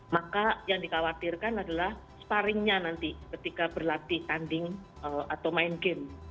maka yang dikhawatirkan adalah sparringnya nanti ketika berlatih tanding atau main game